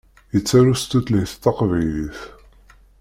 Yettaru s tutlayt taqbaylit.